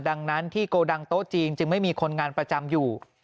ดังนั้นที่โกดังโต๊ะจีนจึงไม่มีคนงานประจำอยู่